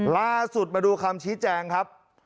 ล่าสุดมาดูคำชี้แจงครับ